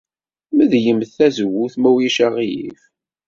Medlemt tazewwut, ma ulac aɣilif.